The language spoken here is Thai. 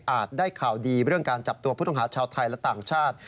ได้ข่าวดีเรื่องการจับตัวผู้ต้องหาชาวไทยและต่างชาติ